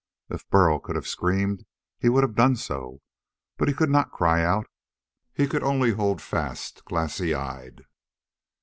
If Burl could have screamed, he would have done so, but he could not cry out. He could only hold fast, glassy eyed.